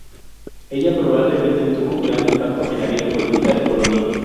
Ella probablemente tuvo un gran impacto en la vida política de Polonia.